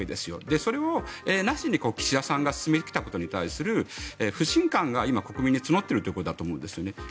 それをなしに岸田さんが進めてきたことに対する不信感が今、国民に募っているということだと思うんですね。